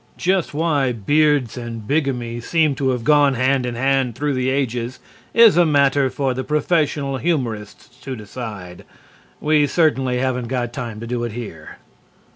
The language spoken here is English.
Just why beards and bigamy seem to have gone hand in hand through the ages is a matter for the professional humorists to determine. We certainly haven't got time to do it here.